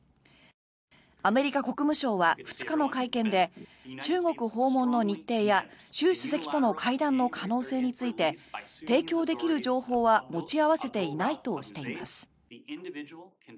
アメリカ国務省は２日の会見で中国訪問の日程や習主席との会談の可能性について提供できる情報は持ち合わせていないとしています。